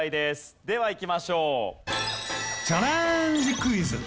ではいきましょう。